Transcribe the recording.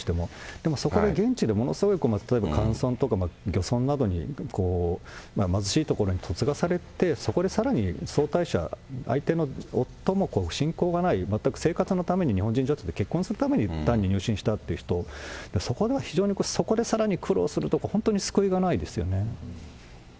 でもそこで現地でものすごい、例えばとか、漁村などに貧しい所に嫁がされて、そこでさらに相対者、相手の夫も信仰がない、全く生活のために日本人女性と結婚するために単に入信したという人、そこでは非常に、そこでさらに苦労するとか、本当に救いがな